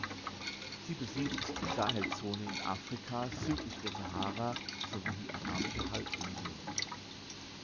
Sie besiedelt die Sahelzone in Afrika südlich der Sahara sowie die Arabische Halbinsel.